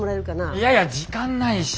いやいや時間ないし。